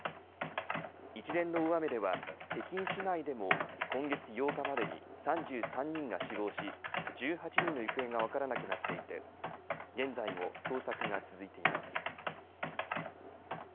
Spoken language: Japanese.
一連の大雨では北京市内でも今月８日までに３３人が死亡し１８人の行方が分からなくなっていて現在も捜索が続いています。